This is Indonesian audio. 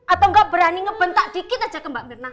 atau nggak berani ngebentak dikit aja ke mbak mirna